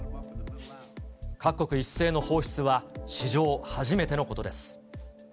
各国一斉の放出は史上初めてのことです。